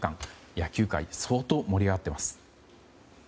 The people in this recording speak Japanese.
野球界相当盛り上がっています。